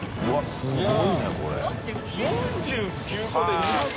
すごい。